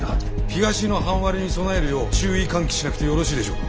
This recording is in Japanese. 東の半割れに備えるよう注意喚起しなくてよろしいでしょうか？